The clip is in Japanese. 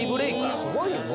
すごいよね。